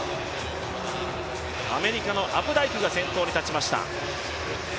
アメリカのアプダイクが先頭に立ちました。